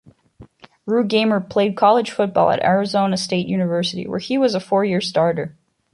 Ruegamer played college football at Arizona State University, where he was a four-year starter.